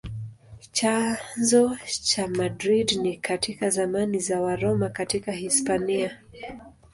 Chanzo cha Madrid ni katika zamani za Waroma katika Hispania.